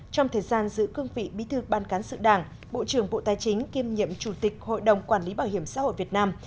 trong thời gian giữ cương vị bí thư ban cán sự đảng bộ trưởng bộ tài chính kiêm nhiệm chủ tịch hội đồng quản lý bảo hiểm xã hội việt nam